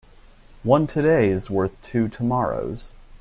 One today is worth two tomorrows.